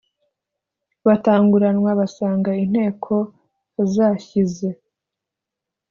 Batanguranwa basanga inteko zashyize